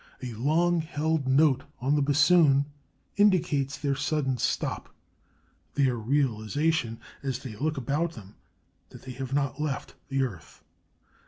A long held note on the bassoon indicates their sudden stop, their realization, as they look about them, that they have not left the earth.